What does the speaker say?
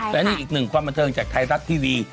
และนี่อีกหนึ่งความบันเทิงจากไทยรัฐทีวี